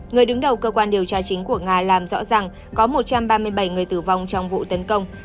người đứng đầu cơ quan điều tra chính của nga làm rõ rằng có một trăm ba mươi bảy người tử vong trong vụ tấn công